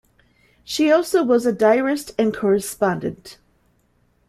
She also was a diarist and correspondent.